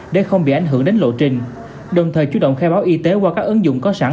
để không bị ảnh hưởng đến lộ trình đồng thời chú động khai báo y tế qua các ứng dụng có sẵn